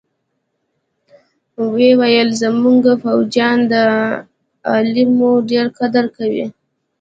ويې ويل زمونګه فوجيان د علماوو ډېر قدر کوي.